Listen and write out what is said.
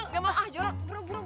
jangan jangan burung burung burung